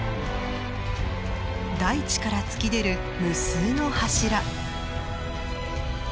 大地から突き出る無数の柱。